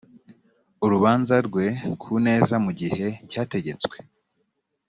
urubanza rwe ku neza mu gihe cyategetswe